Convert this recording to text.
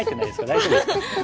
大丈夫ですか？